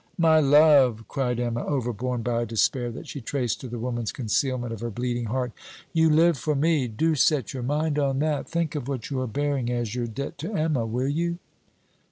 'My love!' cried Emma, overborne by a despair that she traced to the woman's concealment of her bleeding heart, 'you live for me. Do set your mind on that. Think of what you are bearing, as your debt to Emma. Will you?'